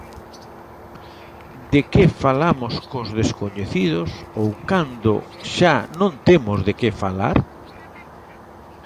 De que falamos cos descoñecidos, ou cando xa non temos de que falar?